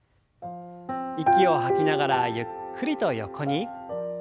息を吐きながらゆっくりと横に。